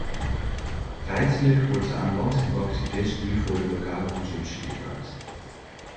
Feitelijk wordt de aan land gebrachte vis nu voor de lokale consumptie gebruikt.